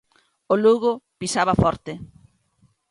O Lugo pisaba forte.